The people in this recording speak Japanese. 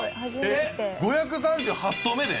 「えっ５３８投目で！？」